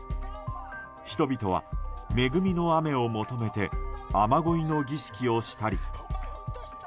人々は恵みの雨を求めて雨乞いの儀式をしたり。